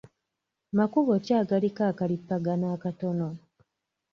Makubo ki agaliko akalipagano akatono?